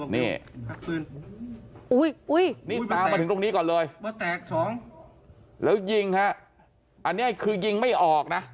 นี่นี่ตามมาถึงตรงนี้ก่อนเลยมาแตกสองแล้วยิงฮะอันนี้คือยิงไม่ออกนะ